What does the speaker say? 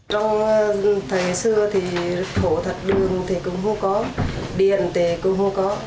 trong thời xưa thì phổ thật đường thì cũng không có điện thì cũng không có